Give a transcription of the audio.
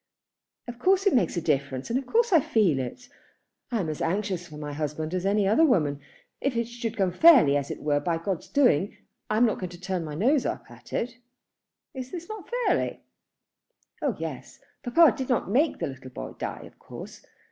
"Of course it makes a difference, and of course I feel it. I am as anxious for my husband as any other woman. If it should come fairly, as it were by God's doing, I am not going to turn up my nose at it." "Is not this fairly?" "Oh yes. Papa did not make the little boy die, of course.